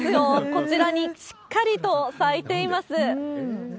こちらにしっかりと咲いています。